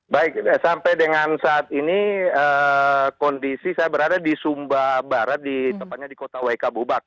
baik sampai dengan saat ini kondisi saya berada di sumba barat di tempatnya di kota wk bubak